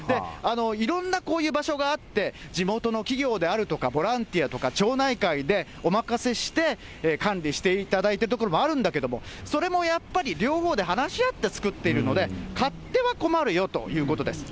いろんなこういう場所があって、地元の企業であるとか、ボランティアとか町内会でお任せして管理していただいている所もあるんだけども、それもやっぱり両方で話し合って作っているので、勝手は困るよということです。